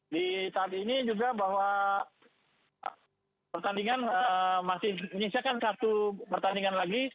di saat ini juga bahwa pertandingan masih menyisakan satu pertandingan lagi